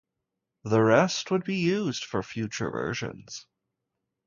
The rest would be used for future versions.